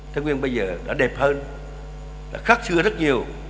thái nguyên bây giờ đã đẹp hơn đã khác xưa rất nhiều